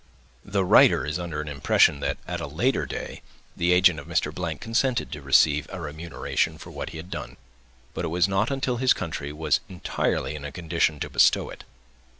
The writer is under an impression that, at a later day, the agent of Mr. —— consented to receive a remuneration for what he had done; but it was not until his country was entirely in a condition to bestow it.